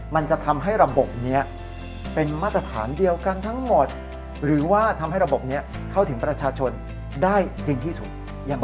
มันจะทำให้ระบบนี้เป็นมาตรฐานเดียวกันทั้งหมดหรือว่าทำให้ระบบนี้เข้าถึงประชาชนได้จริงที่สุด